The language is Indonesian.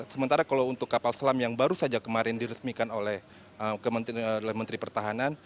sementara kalau untuk kapal selam yang baru saja kemarin diresmikan oleh menteri pertahanan